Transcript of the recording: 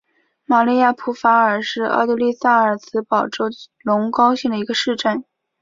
玛丽亚普法尔是奥地利萨尔茨堡州隆高县的一个市镇。